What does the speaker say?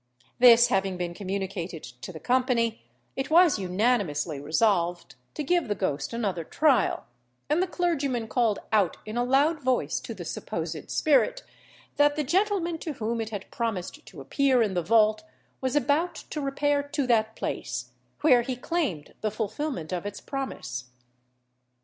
This having been communicated to the company, it was unanimously resolved to give the ghost another trial; and the clergyman called out in a loud voice to the supposed spirit, that the gentleman to whom it had promised to appear in the vault was about to repair to that place, where he claimed the fulfilment of its promise.